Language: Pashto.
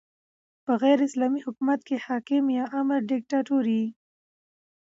په غیري اسلامي دولت کښي حاکم یا امر ډیکتاتور يي.